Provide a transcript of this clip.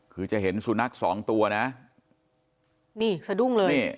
คือจะเห็นสุนัขสองตัวนะนี่สะดุ้งเลยนี่